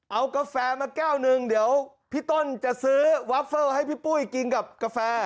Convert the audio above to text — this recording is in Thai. เอากาแฟมาแก้วหนึ่งเดี๋ยวพี่ต้นจะซื้อวอฟเฟิลให้พี่ปุ้ยกินกับกาแฟ